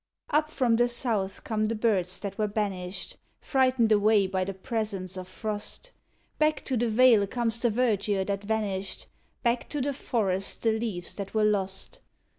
Up from the South come the birds that were banished, Frightened away by the presence of frost. Back to the vale comes the verdure that vanished, Back to the forest the leaves that were lost.